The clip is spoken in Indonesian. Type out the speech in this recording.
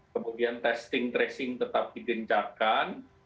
kemudian testing tracing tetap digencarkan